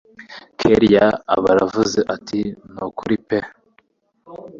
kellia aba aravuze ati nukuri pe